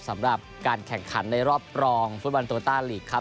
สำหรับการแข่งขันในรอบรองฟุตบอลโลต้าลีกครับ